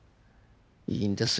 いいんですよ